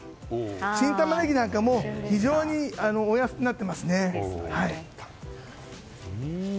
新タマネギなんかも非常にお安くなっていますね。